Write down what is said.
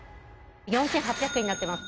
４８００円になってます